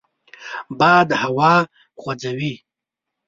باد هوا خوځوي